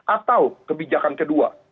atau kebijakan kedua